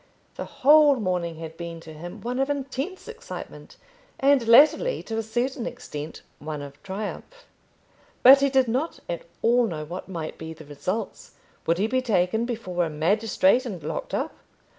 The whole morning had been to him one of intense excitement, and latterly, to a certain extent, one of triumph. But he did not at all know what might be the results. Would he be taken before a magistrate and locked up?